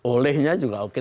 olehnya juga oke